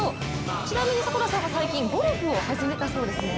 ちなみに迫田さんは最近ゴルフを始めたそうですね？